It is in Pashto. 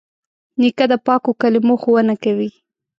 نیکه د پاکو کلمو ښوونه کوي.